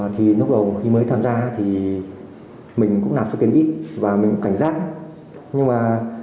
liên hạc thì mình không liên hạc nữa